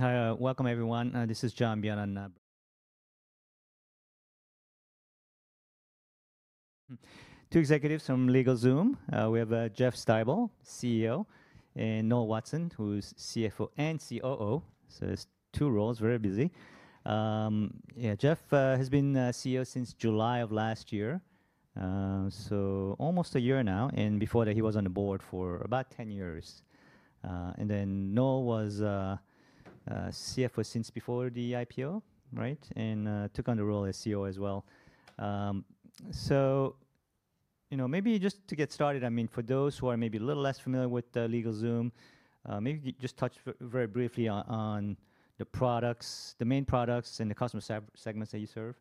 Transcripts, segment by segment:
Hi, welcome everyone. This is John [Bjorn]. Two executives from LegalZoom. We have Jeff Stibel, CEO, and Noel Watson, who's CFO and COO. There are two roles, very busy. Jeff has been CEO since July of last year, so almost a year now. Before that, he was on the board for about 10 years. Noel was CFO since before the IPO, right? And took on the role as COO as well. Maybe just to get started, I mean, for those who are maybe a little less familiar with LegalZoom, maybe just touch very briefly on the products, the main products, and the customer segments that you serve.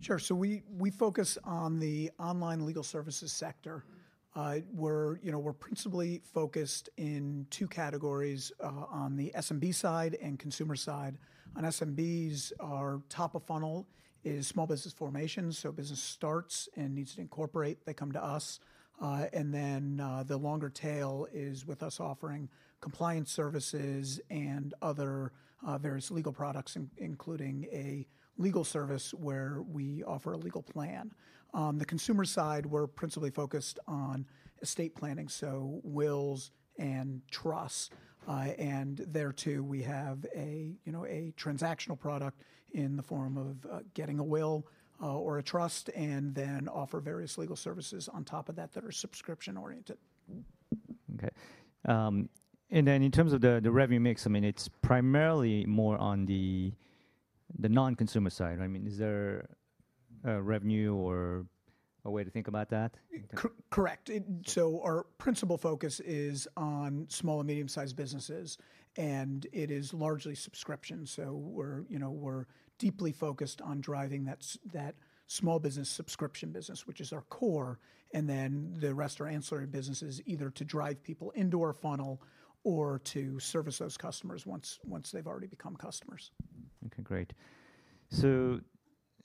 Sure. We focus on the online legal services sector. We're principally focused in two categories: on the SMB side and consumer side. On SMBs, our top of funnel is small business formation. Business starts and needs to incorporate, they come to us. The longer tail is with us offering compliance services and other various legal products, including a legal service where we offer a legal plan. On the consumer side, we're principally focused on estate planning, so wills and trusts. There too we have a transactional product in the form of getting a will or a trust and then offer various legal services on top of that that are subscription-oriented. Okay. And then in terms of the revenue mix, I mean, it's primarily more on the non-consumer side. I mean, is there revenue or a way to think about that? Correct. Our principal focus is on small and medium-sized businesses, and it is largely subscription. We are deeply focused on driving that small business subscription business, which is our core. The rest are ancillary businesses, either to drive people into our funnel or to service those customers once they have already become customers. Okay, great.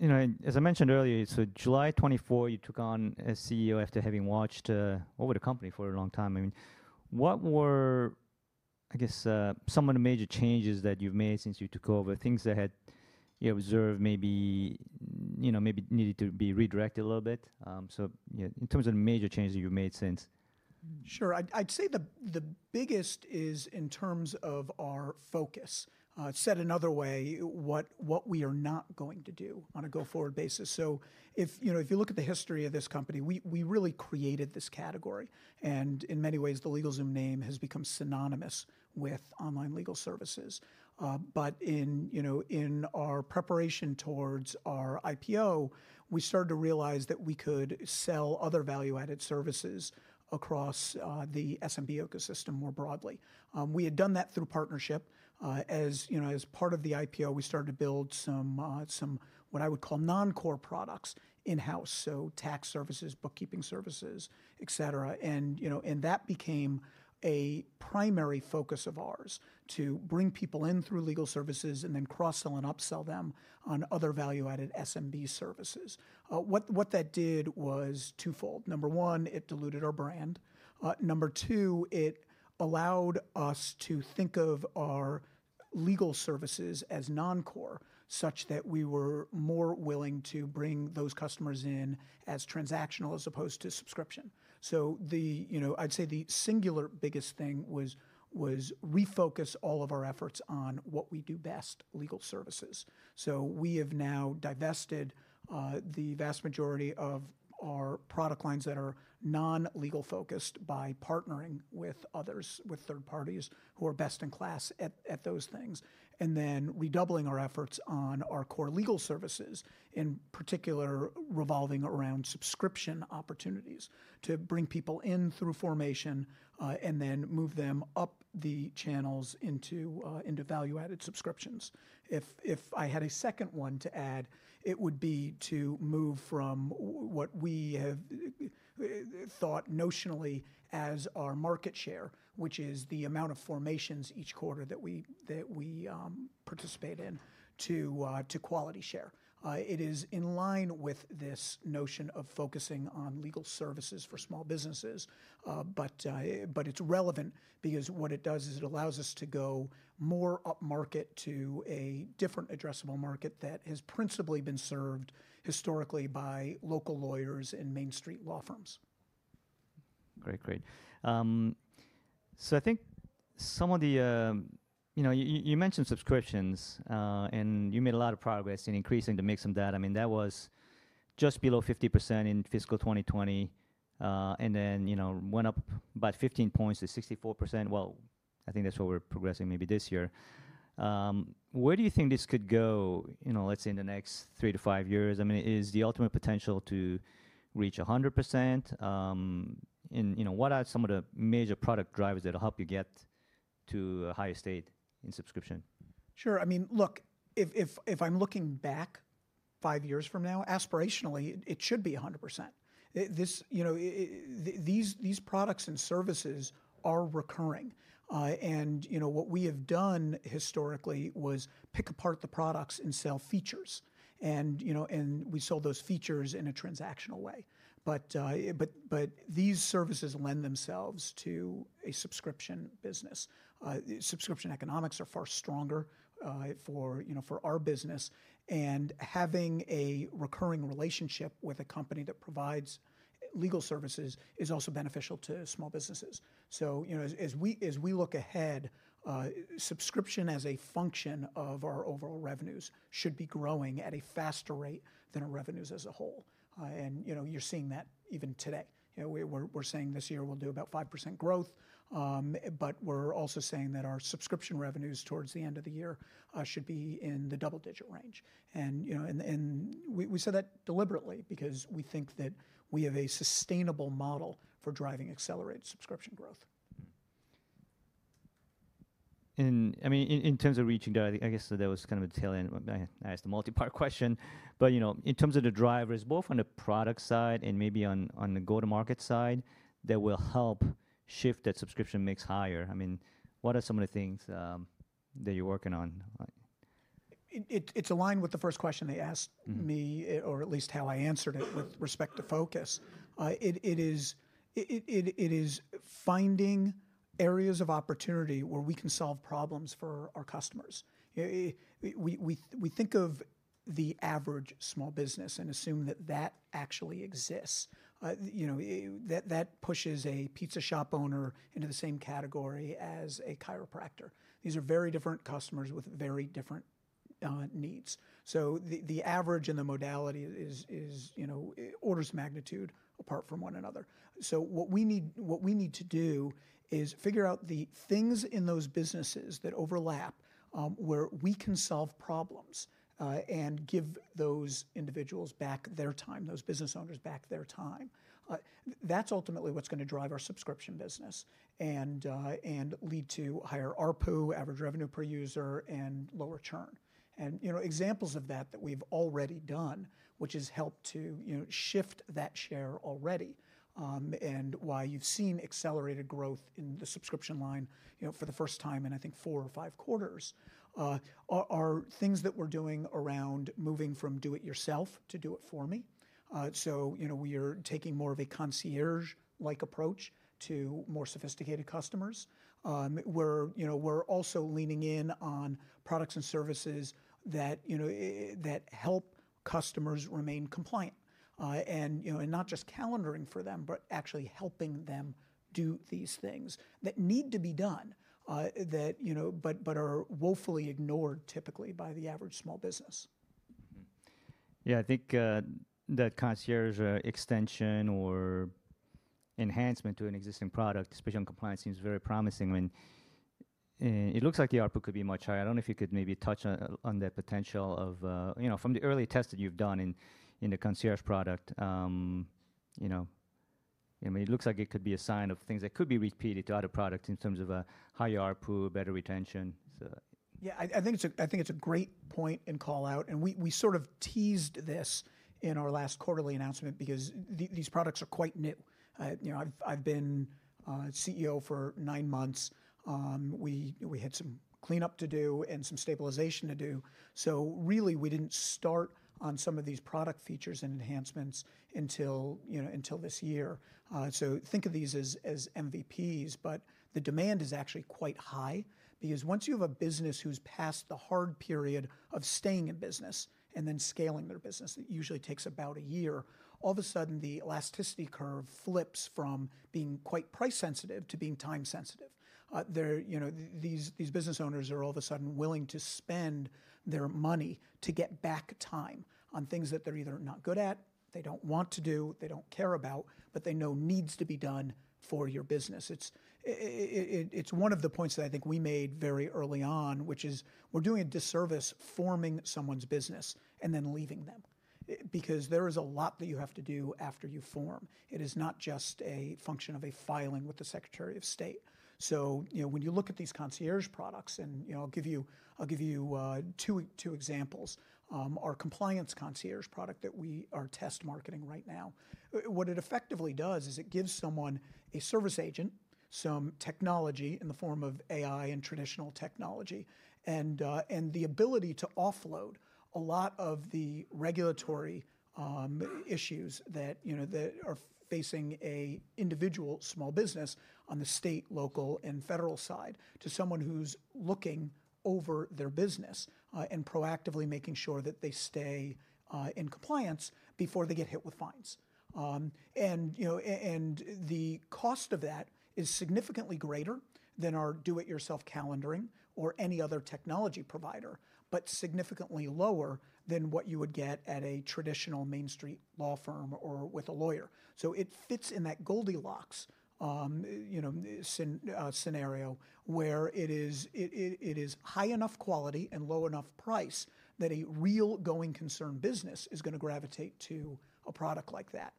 As I mentioned earlier, July 2024, you took on as CEO after having watched over the company for a long time. I mean, what were, I guess, some of the major changes that you've made since you took over? Things that you had observed maybe needed to be redirected a little bit. In terms of major changes you've made since. Sure. I'd say the biggest is in terms of our focus. Said another way, what we are not going to do on a go-forward basis. If you look at the history of this company, we really created this category. In many ways, the LegalZoom name has become synonymous with online legal services. In our preparation towards our IPO, we started to realize that we could sell other value-added services across the SMB ecosystem more broadly. We had done that through partnership. As part of the IPO, we started to build some what I would call non-core products in-house, so tax services, bookkeeping services, etc. That became a primary focus of ours to bring people in through legal services and then cross-sell and upsell them on other value-added SMB services. What that did was twofold. Number one, it diluted our brand. Number two, it allowed us to think of our legal services as non-core such that we were more willing to bring those customers in as transactional as opposed to subscription. I'd say the singular biggest thing was refocus all of our efforts on what we do best, legal services. We have now divested the vast majority of our product lines that are non-legal focused by partnering with others, with third parties who are best in class at those things. We are redoubling our efforts on our core legal services, in particular revolving around subscription opportunities to bring people in through formation and then move them up the channels into value-added subscriptions. If I had a second one to add, it would be to move from what we have thought notionally as our market share, which is the amount of formations each quarter that we participate in, to quality share. It is in line with this notion of focusing on legal services for small businesses. It is relevant because what it does is it allows us to go more upmarket to a different addressable market that has principally been served historically by local lawyers and Main Street law firms. Great, great. I think some of the, you mentioned subscriptions and you made a lot of progress in increasing the mix of that. I mean, that was just below 50% in fiscal 2020 and then went up by 15 points to 64%. I think that's where we're progressing maybe this year. Where do you think this could go, let's say, in the next three to five years? I mean, is the ultimate potential to reach 100%? What are some of the major product drivers that'll help you get to a higher state in subscription? Sure. I mean, look, if I'm looking back five years from now, aspirationally, it should be 100%. These products and services are recurring. What we have done historically was pick apart the products and sell features. We sold those features in a transactional way. These services lend themselves to a subscription business. Subscription economics are far stronger for our business. Having a recurring relationship with a company that provides legal services is also beneficial to small businesses. As we look ahead, subscription as a function of our overall revenues should be growing at a faster rate than our revenues as a whole. You're seeing that even today. We're saying this year we'll do about 5% growth, but we're also saying that our subscription revenues towards the end of the year should be in the double-digit range. We say that deliberately because we think that we have a sustainable model for driving accelerated subscription growth. I mean, in terms of reaching that, I guess that was kind of a tail end. I asked a multi-part question. In terms of the drivers, both on the product side and maybe on the go-to-market side that will help shift that subscription mix higher, I mean, what are some of the things that you're working on? It's aligned with the first question they asked me, or at least how I answered it with respect to focus. It is finding areas of opportunity where we can solve problems for our customers. We think of the average small business and assume that that actually exists. That pushes a pizza shop owner into the same category as a chiropractor. These are very different customers with very different needs. The average and the modality is orders of magnitude apart from one another. What we need to do is figure out the things in those businesses that overlap where we can solve problems and give those individuals back their time, those business owners back their time. That's ultimately what's going to drive our subscription business and lead to higher RPU, average revenue per user, and lower churn. Examples of that that we've already done, which has helped to shift that share already, and why you've seen accelerated growth in the subscription line for the first time in, I think, four or five quarters, are things that we're doing around moving from do-it-yourself to do-it-for-me. We are taking more of a concierge-like approach to more sophisticated customers. We're also leaning in on products and services that help customers remain compliant and not just calendaring for them, but actually helping them do these things that need to be done, but are woefully ignored typically by the average small business. Yeah, I think that concierge extension or enhancement to an existing product, especially on compliance, seems very promising. I mean, it looks like the RPU could be much higher. I don't know if you could maybe touch on the potential of from the early tests that you've done in the concierge product. I mean, it looks like it could be a sign of things that could be repeated to other products in terms of a higher RPU, better retention. Yeah, I think it's a great point and call out. We sort of teased this in our last quarterly announcement because these products are quite new. I've been CEO for nine months. We had some cleanup to do and some stabilization to do. Really, we didn't start on some of these product features and enhancements until this year. Think of these as MVPs, but the demand is actually quite high because once you have a business who's past the hard period of staying in business and then scaling their business, it usually takes about a year, all of a sudden the elasticity curve flips from being quite price-sensitive to being time-sensitive. These business owners are all of a sudden willing to spend their money to get back time on things that they're either not good at, they don't want to do, they don't care about, but they know needs to be done for your business. It's one of the points that I think we made very early on, which is we're doing a disservice forming someone's business and then leaving them because there is a lot that you have to do after you form. It is not just a function of a filing with the Secretary of State. When you look at these concierge products, and I'll give you two examples, our Compliance Concierge product that we are test marketing right now, what it effectively does is it gives someone a service agent, some technology in the form of AI and traditional technology, and the ability to offload a lot of the regulatory issues that are facing an individual small business on the state, local, and federal side to someone who's looking over their business and proactively making sure that they stay in compliance before they get hit with fines. The cost of that is significantly greater than our do-it-yourself calendaring or any other technology provider, but significantly lower than what you would get at a traditional Main Street law firm or with a lawyer. It fits in that Goldilocks scenario where it is high enough quality and low enough price that a real going concern business is going to gravitate to a product like that.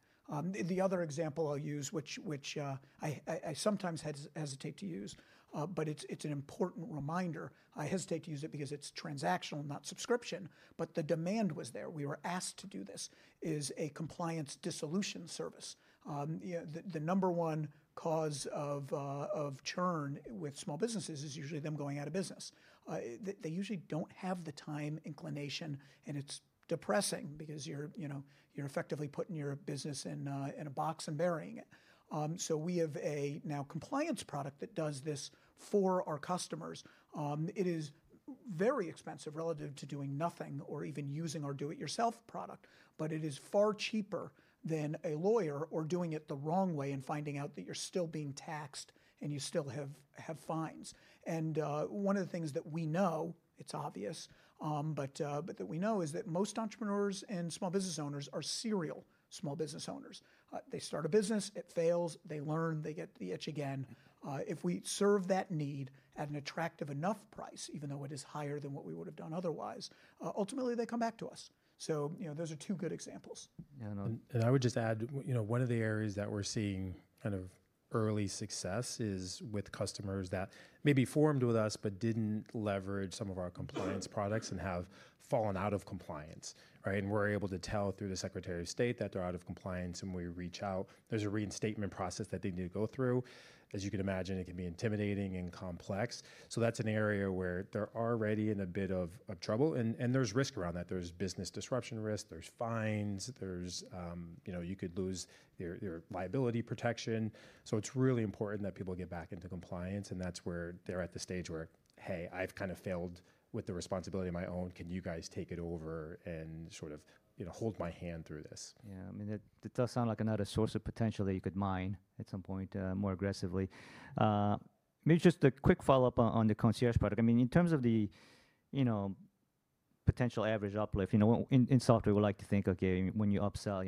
The other example I'll use, which I sometimes hesitate to use, but it's an important reminder. I hesitate to use it because it's transactional, not subscription, but the demand was there. We were asked to do this. Is a compliance dissolution service. The number one cause of churn with small businesses is usually them going out of business. They usually don't have the time inclination, and it's depressing because you're effectively putting your business in a box and burying it. We have a now compliance product that does this for our customers. It is very expensive relative to doing nothing or even using our do-it-yourself product, but it is far cheaper than a lawyer or doing it the wrong way and finding out that you're still being taxed and you still have fines. One of the things that we know, it's obvious, but that we know is that most entrepreneurs and small business owners are serial small business owners. They start a business, it fails, they learn, they get the itch again. If we serve that need at an attractive enough price, even though it is higher than what we would have done otherwise, ultimately they come back to us. Those are two good examples. Yeah, and I would just add one of the areas that we're seeing kind of early success is with customers that maybe formed with us, but didn't leverage some of our compliance products and have fallen out of compliance, right? We're able to tell through the Secretary of State that they're out of compliance and we reach out. There's a reinstatement process that they need to go through. As you can imagine, it can be intimidating and complex. That's an area where they're already in a bit of trouble. There's risk around that. There's business disruption risk. There's fines. You could lose your liability protection. It's really important that people get back into compliance. That's where they're at the stage where, hey, I've kind of failed with the responsibility on my own. Can you guys take it over and sort of hold my hand through this? Yeah. I mean, that does sound like another source of potential that you could mine at some point more aggressively. Maybe just a quick follow-up on the concierge product. I mean, in terms of the potential average uplift, in software, we like to think, okay, when you upsell,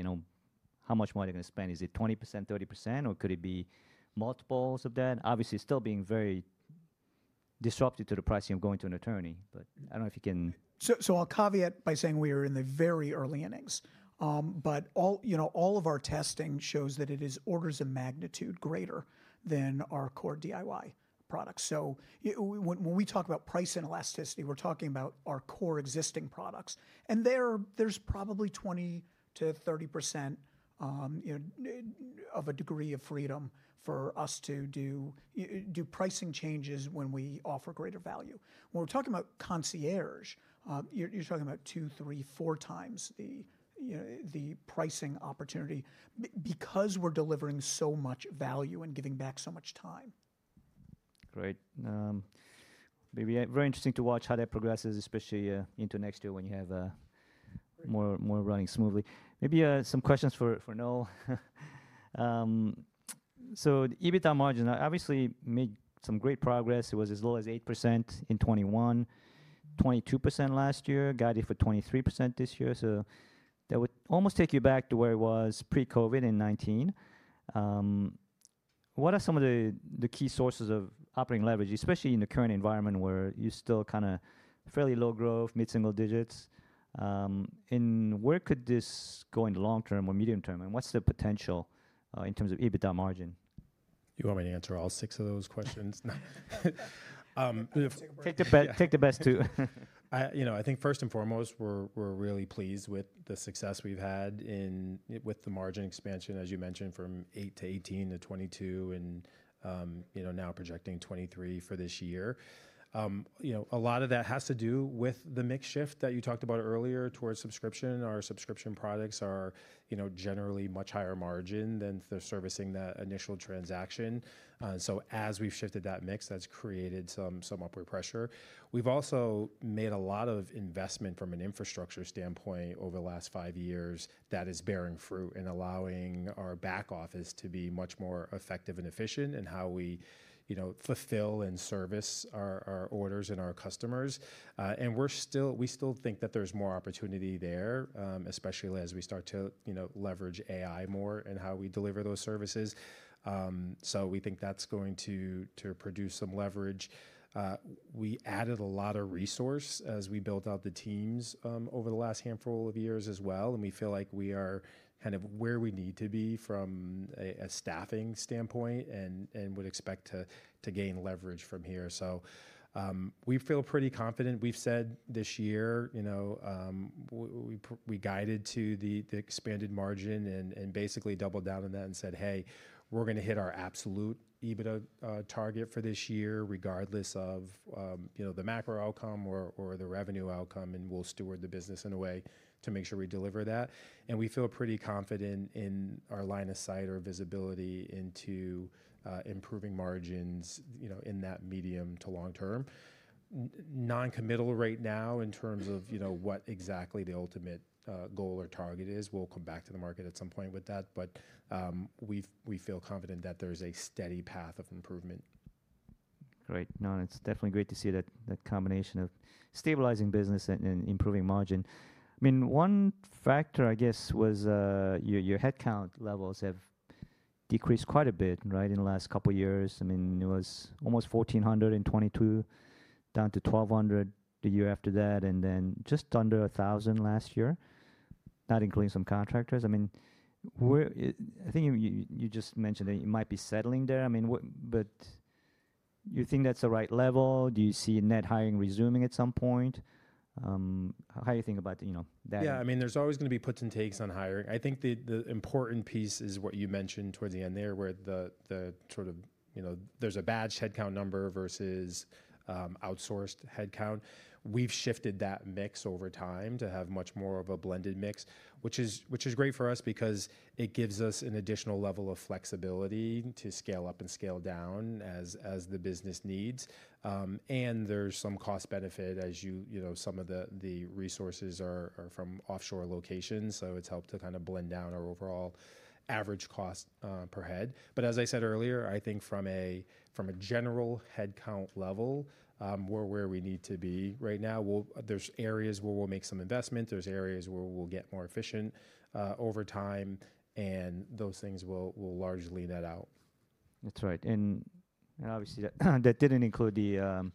how much more are they going to spend? Is it 20%, 30%, or could it be multiples of that? Obviously, still being very disruptive to the pricing of going to an attorney, but I don't know if you can. I'll caveat by saying we are in the very early innings. But all of our testing shows that it is orders of magnitude greater than our core DIY products. When we talk about price and elasticity, we're talking about our core existing products. There's probably 20%-30% of a degree of freedom for us to do pricing changes when we offer greater value. When we're talking about concierge, you're talking about 2x, 3x, 4x the pricing opportunity because we're delivering so much value and giving back so much time. Great. Maybe very interesting to watch how that progresses, especially into next year when you have more running smoothly. Maybe some questions for Noel. So EBITDA margin, obviously made some great progress. It was as low as 8% in 2021, 22% last year, guided for 23% this year. That would almost take you back to where it was pre-COVID in 2019. What are some of the key sources of operating leverage, especially in the current environment where you're still kind of fairly low growth, mid-single-digits? Where could this go in the long term or medium term? What's the potential in terms of EBITDA margin? You want me to answer all six of those questions? Take the best two. I think first and foremost, we're really pleased with the success we've had with the margin expansion, as you mentioned, from 8%-18% to 22% and now projecting 23% for this year. A lot of that has to do with the mix shift that you talked about earlier towards subscription. Our subscription products are generally much higher margin than they're servicing that initial transaction. As we've shifted that mix, that's created some upward pressure. We've also made a lot of investment from an infrastructure standpoint over the last five years that is bearing fruit and allowing our back office to be much more effective and efficient in how we fulfill and service our orders and our customers. We still think that there's more opportunity there, especially as we start to leverage AI more in how we deliver those services. We think that's going to produce some leverage. We added a lot of resource as we built out the teams over the last handful of years as well. We feel like we are kind of where we need to be from a staffing standpoint and would expect to gain leverage from here. We feel pretty confident. We've said this year, we guided to the expanded margin and basically doubled down on that and said, hey, we're going to hit our absolute EBITDA target for this year regardless of the macro outcome or the revenue outcome, and we'll steward the business in a way to make sure we deliver that. We feel pretty confident in our line of sight or visibility into improving margins in that medium to long term. Non-committal right now in terms of what exactly the ultimate goal or target is. We'll come back to the market at some point with that, but we feel confident that there's a steady path of improvement. Great. No, it's definitely great to see that combination of stabilizing business and improving margin. I mean, one factor, I guess, was your headcount levels have decreased quite a bit, right, in the last couple of years. I mean, it was almost 1,400 in 2022, down to 1,200 the year after that, and then just under 1,000 last year, not including some contractors. I mean, I think you just mentioned that you might be settling there. I mean, but you think that's the right level? Do you see net hiring resuming at some point? How do you think about that? Yeah, I mean, there's always going to be puts and takes on hiring. I think the important piece is what you mentioned towards the end there where the sort of there's a badge headcount number versus outsourced headcount. We've shifted that mix over time to have much more of a blended mix, which is great for us because it gives us an additional level of flexibility to scale up and scale down as the business needs. There's some cost benefit as some of the resources are from offshore locations. It has helped to kind of blend down our overall average cost per head. As I said earlier, I think from a general headcount level, we're where we need to be right now. There's areas where we'll make some investment. There's areas where we'll get more efficient over time, and those things will largely net out. That's right. Obviously, that didn't include the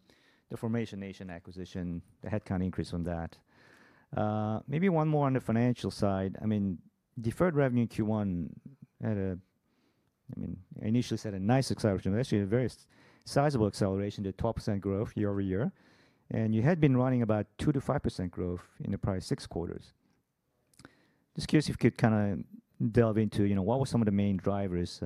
Formation Nation acquisition, the headcount increase on that. Maybe one more on the financial side. I mean, deferred revenue Q1 had a, I mean, initially said a nice acceleration, actually a very sizable acceleration to 12% growth year-over-year. You had been running about 2%-5% growth in the prior six quarters. Just curious if you could kind of delve into what were some of the main drivers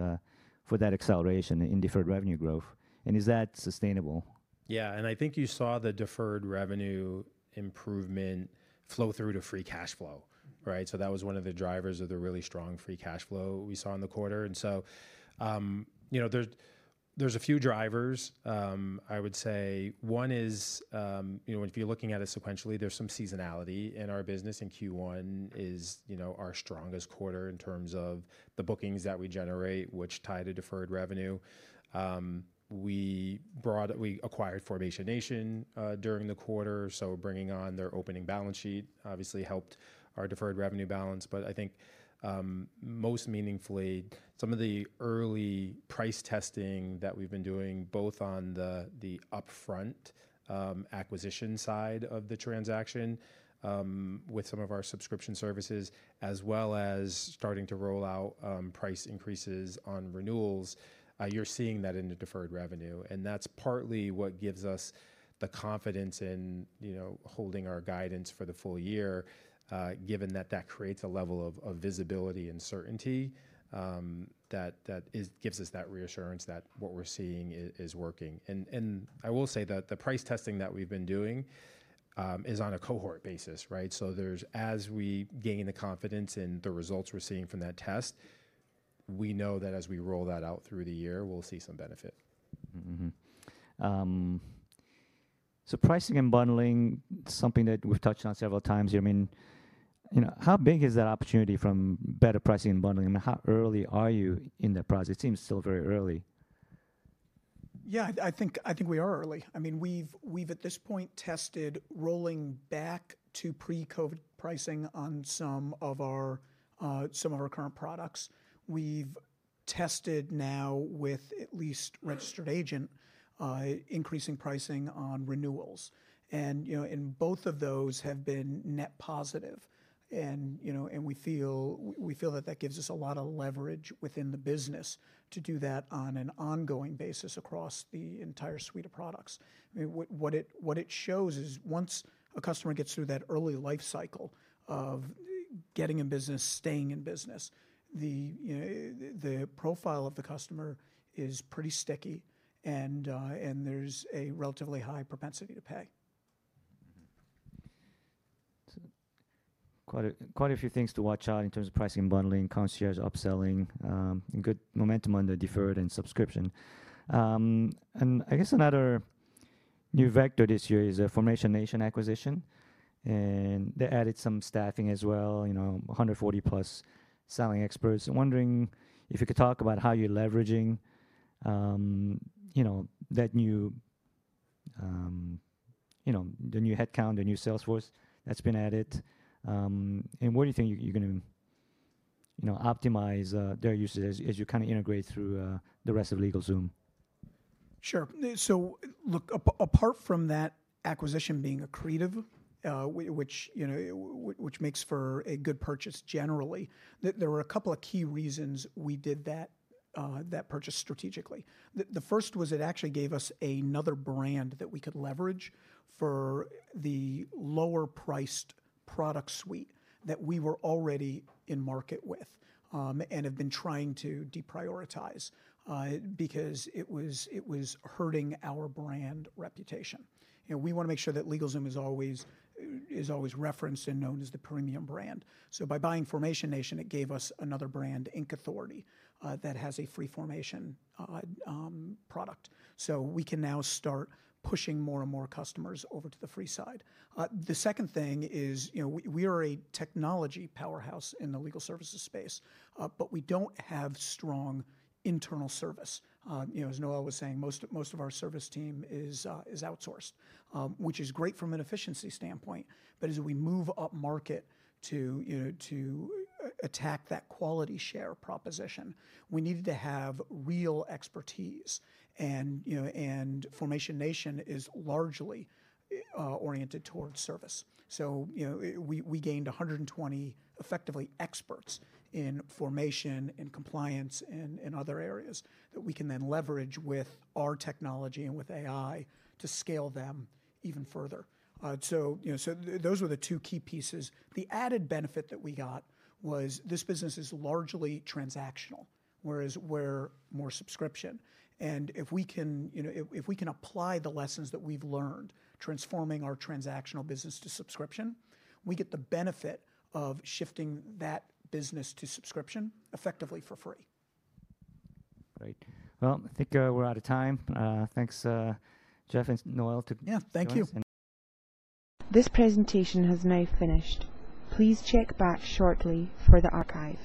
for that acceleration in deferred revenue growth, and is that sustainable? Yeah, and I think you saw the deferred revenue improvement flow through to free cash flow, right? That was one of the drivers of the really strong free cash flow we saw in the quarter. There are a few drivers, I would say. One is if you're looking at it sequentially, there's some seasonality in our business, and Q1 is our strongest quarter in terms of the bookings that we generate, which tie to deferred revenue. We acquired Formation Nation during the quarter, so bringing on their opening balance sheet obviously helped our deferred revenue balance. I think most meaningfully, some of the early price testing that we've been doing both on the upfront acquisition side of the transaction with some of our subscription services, as well as starting to roll out price increases on renewals, you're seeing that in the deferred revenue. That is partly what gives us the confidence in holding our guidance for the full year, given that that creates a level of visibility and certainty that gives us that reassurance that what we're seeing is working. I will say that the price testing that we've been doing is on a cohort basis, right? As we gain the confidence in the results we're seeing from that test, we know that as we roll that out through the year, we'll see some benefit. Pricing and bundling, something that we've touched on several times here. I mean, how big is that opportunity from better pricing and bundling? I mean, how early are you in that process? It seems still very early. Yeah, I think we are early. I mean, we've at this point tested rolling back to pre-COVID pricing on some of our current products. We've tested now with at least registered agent increasing pricing on renewals. Both of those have been net positive. We feel that that gives us a lot of leverage within the business to do that on an ongoing basis across the entire suite of products. I mean, what it shows is once a customer gets through that early life cycle of getting in business, staying in business, the profile of the customer is pretty sticky, and there's a relatively high propensity to pay. Quite a few things to watch out in terms of pricing and bundling, concierge upselling, and good momentum on the deferred and subscription. I guess another new vector this year is a Formation Nation acquisition. They added some staffing as well, 140+ selling experts. I'm wondering if you could talk about how you're leveraging the new headcount, the new sales force that's been added. Where do you think you're going to optimize their usage as you kind of integrate through the rest of LegalZoom? Sure. So look, apart from that acquisition being accretive, which makes for a good purchase generally, there were a couple of key reasons we did that purchase strategically. The first was it actually gave us another brand that we could leverage for the lower-priced product suite that we were already in market with and have been trying to deprioritize because it was hurting our brand reputation. We want to make sure that LegalZoom is always referenced and known as the premium brand. By buying Formation Nation, it gave us another brand, Inc Authority, that has a free formation product. We can now start pushing more and more customers over to the free side. The second thing is we are a technology powerhouse in the legal services space, but we do not have strong internal service. As Noel was saying, most of our service team is outsourced, which is great from an efficiency standpoint. However, as we move up market to attack that quality share proposition, we needed to have real expertise. Formation Nation is largely oriented towards service. We gained 120 effectively experts in formation and compliance and other areas that we can then leverage with our technology and with AI to scale them even further. Those were the two key pieces. The added benefit that we got was this business is largely transactional, whereas we're more subscription. If we can apply the lessons that we've learned transforming our transactional business to subscription, we get the benefit of shifting that business to subscription effectively for free. Great. I think we're out of time. Thanks, Jeff and Noel. Yeah, thank you. This presentation has now finished. Please check back shortly for the archive.